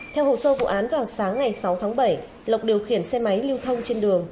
theo hồ sơ vụ án vào sáng ngày sáu tháng bảy lộc điều khiển xe máy lưu thông trên đường